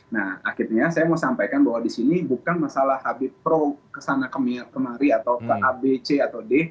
nah akhirnya saya mau sampaikan bahwa di sini bukan masalah habib pro kesana kemari atau ke abc atau d